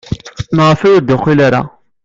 Maɣef ur d-yeqqil ara?